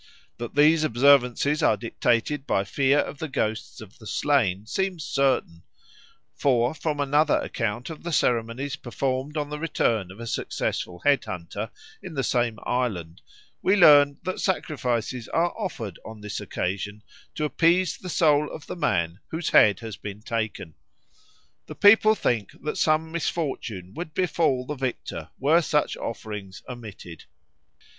That these observances are dictated by fear of the ghosts of the slain seems certain; for from another account of the ceremonies performed on the return of a successful head hunter in the same island we learn that sacrifices are offered on this occasion to appease the soul of the man whose head has been taken; the people think that some misfortune would befall the victor were such offerings omitted.